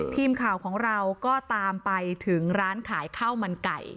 ทีมข่าวของเราก็ตามไปถึงร้านขายข้าวมันไก่